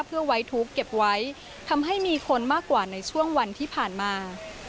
เพื่อให้ไม่ทุบเก็บไว้ทำให้มีคนมากกว่าในช่วงวันพันมา